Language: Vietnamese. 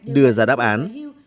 đưa ra đáp án